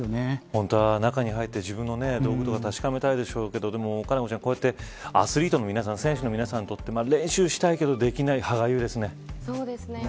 本当は中に入って自分の道具とか確かめたいでしょうけどでもこうやってアスリートのみなさにとって練習したいけどできないのが歯がゆいですね。